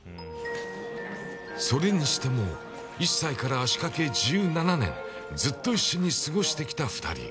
それにしても、１歳から足かけ１７年ずっと一緒に過ごしてきた２人。